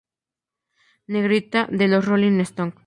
Negrita"", de los Rolling Stones.